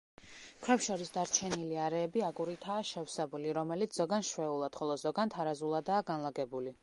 ქვებს შორის დარჩენილი არეები აგურითაა შევსებული, რომელიც ზოგან შვეულად, ხოლო ზოგან თარაზულადაა განლაგებული.